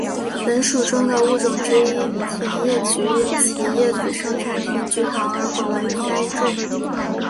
本属中的物种之一甜叶菊因其叶子生产甜菊糖而广为栽种。